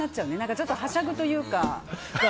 ちょっとはしゃぐというか。